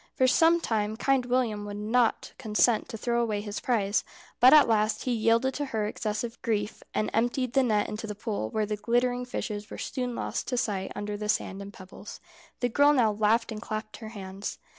For some time Kind William would not consent to throw away his prize, but at last he yielded to her excessive grief, and emptied the net into the pool, where the glittering fishes were soon lost to sight under the sand and pebbles. The girl now laughed and clapped her hands.